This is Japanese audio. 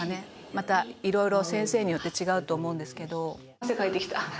「また色々先生によって違うと思うんですけど」